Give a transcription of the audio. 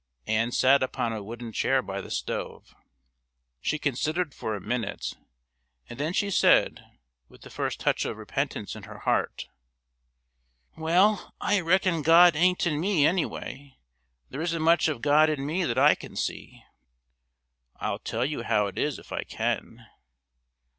Ann sat upon a wooden chair by the stove. She considered for a minute, and then she said, with the first touch of repentance in her heart: "Well, I reckon God ain't in me, any way. There isn't much of God in me that I can see." "I'll tell you how it is if I can."